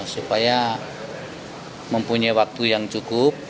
supaya mempunyai waktu yang cukup